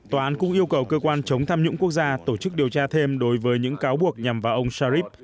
tòa án cũng yêu cầu cơ quan chống tham nhũng quốc gia tổ chức điều tra thêm đối với những cáo buộc nhằm vào ông sharif